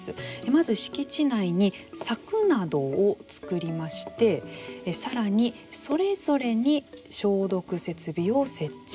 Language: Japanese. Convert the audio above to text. まず敷地内に柵などを作りましてさらに、それぞれに消毒設備を設置。